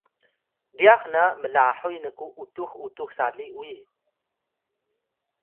ryax na mlahuy nku utux utux sali uyi